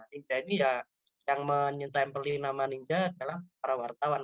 ninja ini ya yang menyintam peli nama ninja adalah para wartawan